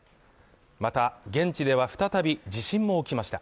また、現地では再び地震も起きました。